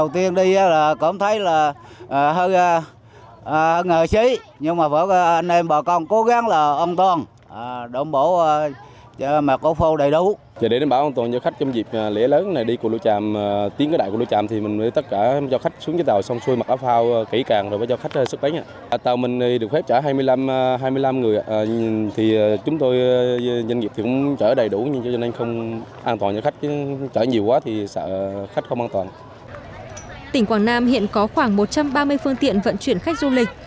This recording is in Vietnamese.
tỉnh quảng nam hiện có khoảng một trăm ba mươi phương tiện vận chuyển khách du lịch